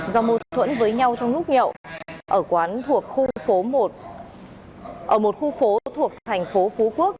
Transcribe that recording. do mâu thuẫn với nhau trong lúc nhậu ở một khu phố thuộc thành phố phú quốc